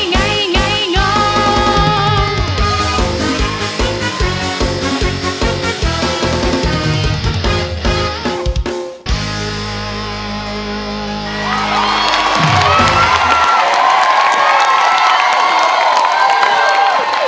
สวัสดีค่ะครูสาว